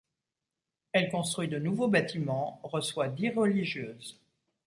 Elle construit de nouveaux bâtiments, reçoit dix religieuses.